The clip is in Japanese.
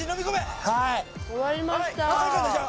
はい終わりました